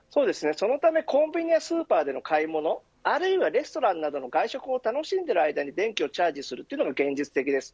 そのためコンビニやスーパーでの買い物あるいはレストランなどの外食を楽しんでいる間に電気をチャージするというのが現実的です。